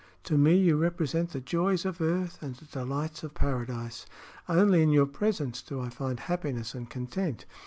To me you represent the joys of earth and the delights of paradise. Only in your presence do I find happiness and content.